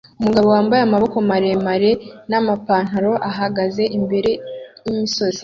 Umugabo wambaye amaboko maremare n'amapantaro ahagaze imbere y'imisozi